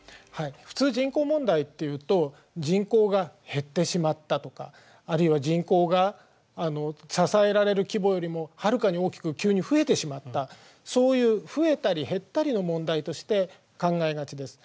普通人口問題っていうと人口が減ってしまったとかあるいは人口が支えられる規模よりもはるかに大きく急に増えてしまったそういう増えたり減ったりの問題として考えがちです。